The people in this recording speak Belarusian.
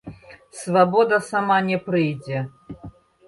Свабода сама не прыйдзе.